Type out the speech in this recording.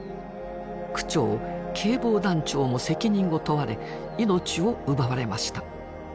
区長警防団長も責任を問われ命を奪われました。